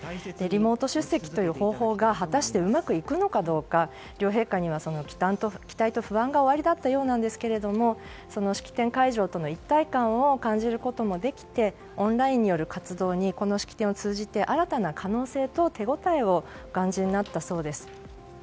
リモート出席という方法が果たして、うまくいくのかどうか両陛下には期待と不安がおありだったようなんですが式典会場との一体感を感じることもできてオンラインによる活動にこの式典を通じて新たな可能性と手ごたえをお感じになったそうです。